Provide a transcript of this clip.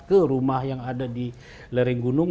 ke rumah yang ada di lereng gunung